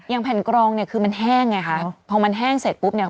แผ่นกรองเนี่ยคือมันแห้งไงคะพอมันแห้งเสร็จปุ๊บเนี่ย